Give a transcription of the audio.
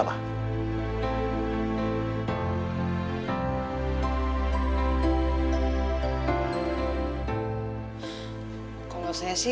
kalau saya sih pengen seperti wak ajun